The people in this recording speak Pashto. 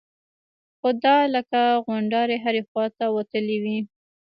خو دا لکه غونډارې هرې خوا ته وتلي وي.